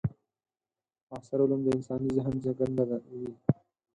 معاصر علوم د انساني ذهن زېږنده وي.